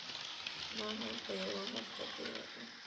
ما هلته یوه هفته تېره کړه.